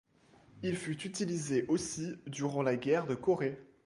Il fut utilisé aussi durant la guerre de Corée.